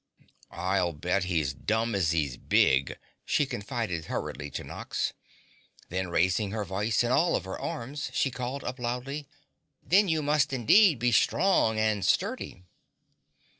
"I'll bet he's dumb as he's big," she confided hurriedly to Nox. Then raising her voice and all of her arms, she called up loudly, "Then you must indeed be strong and sturdy!"